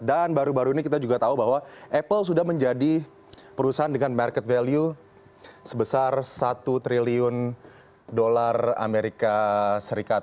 dan baru baru ini kita juga tahu bahwa apple sudah menjadi perusahaan dengan market value sebesar satu triliun dolar amerika serikat